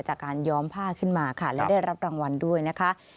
ย้อมผ้าขึ้นมาค่ะและได้รับรางวัลด้วยนะคะ